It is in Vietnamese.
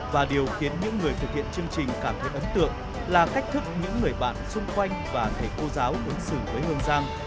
và điều khiến những người thực hiện chương trình cảm thấy ấn tượng là cách thức những người bạn xung quanh và thầy cô giáo ứng xử với hương giang